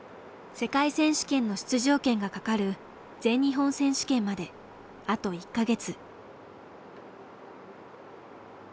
世界選手権の出場権がかかる全日本選手権まであと１か月。